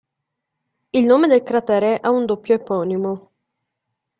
Il nome del cratere ha un doppio eponimo.